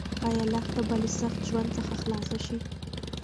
ایا لښته به له سخت ژوند څخه خلاص شي؟